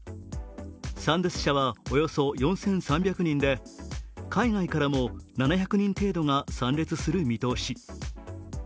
参列者はおよそ４３００人で海外からも７００人程度が参列する見通し。